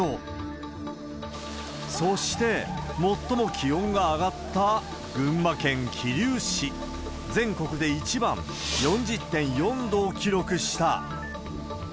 そして、最も気温が上がった群馬県桐生市、全国で一番、４０．４度を記録した。